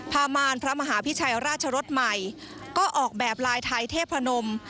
พามารพระมหาพิชัยราชรสใหม่ก็ออกแบบลายไทยเทพนม